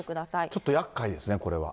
ちょっとやっかいですね、これは。